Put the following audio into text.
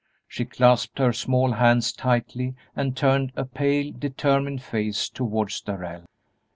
She clasped her small hands tightly and turned a pale, determined face towards Darrell.